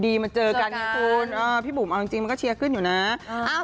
มาเจอกันไงคุณพี่บุ๋มเอาจริงมันก็เชียร์ขึ้นอยู่นะ